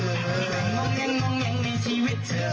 ปรากฎณ์กลมแงงแป๊บมารมกลมแป็บแปลงกามงงงเองในชีวิตเธอ